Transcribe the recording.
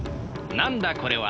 なんだこれは！